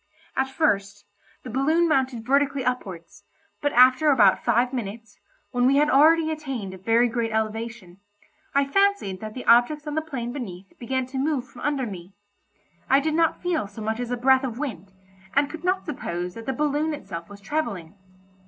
At first, the balloon mounted vertically upwards, but after about five minutes, when we had already attained a very great elevation, I fancied that the objects on the plain beneath began to move from under me. I did not feel so much as a breath of wind, and could not suppose that the balloon itself was travelling.